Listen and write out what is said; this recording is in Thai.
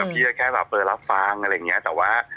พี่แค่รับฟังแต่ว่า